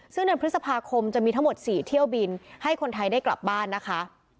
ซึ่งเดือนพฤษภาคมจะมีทั้งหมด๔เที่ยวบินให้คนไทยได้กลับบ้านนะคะ